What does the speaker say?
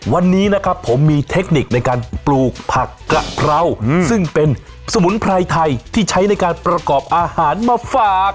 วันนี้นะครับผมมีเทคนิคในการปลูกผักกะเพราซึ่งเป็นสมุนไพรไทยที่ใช้ในการประกอบอาหารมาฝาก